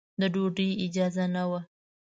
د ډوډۍ اجازه نه وه.